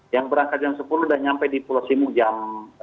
yang berangkat jam sepuluh dan sampai di pulau simu jam dua